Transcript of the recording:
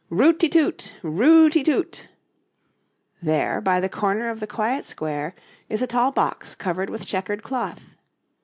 'Root ti toot, rootity toot!' There, by the corner of the quiet square, is a tall box covered with checkered cloth.